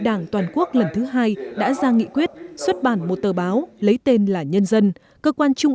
đảng toàn quốc lần thứ hai đã ra nghị quyết xuất bản một tờ báo lấy tên là nhân dân cơ quan trung